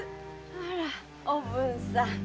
あらおぶんさん。